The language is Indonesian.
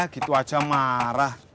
gitu aja marah